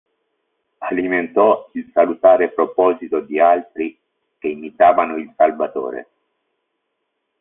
Alimentò il salutare proposito di altri che imitavano il Salvatore.